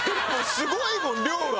すごいもん量が。